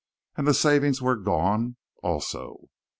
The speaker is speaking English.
and the savings were gone, also.